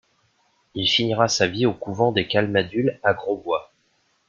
Il finira sa vie au couvent des Camaldules à Grosbois.